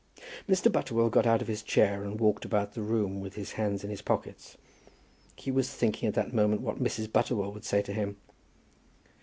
Mr. Butterwell got out of his chair, and walked about the room with his hands in his pockets. He was thinking at that moment what Mrs. Butterwell would say to him.